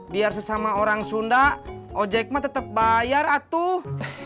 biar sesama orang sunda ojek mah tetap bayar atuh